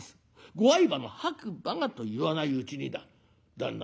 ご愛馬の白馬が』と言わないうちにだ旦那